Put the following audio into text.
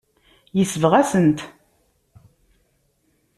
Yesbeɣ-asen-t.